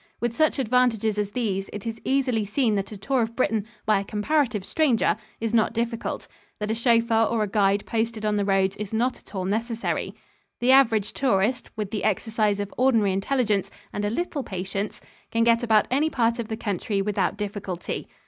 With such advantages as these, it is easily seen that a tour of Britain by a comparative stranger is not difficult; that a chauffeur or a guide posted on the roads is not at all necessary. The average tourist, with the exercise of ordinary intelligence and a little patience, can get about any part of the country without difficulty.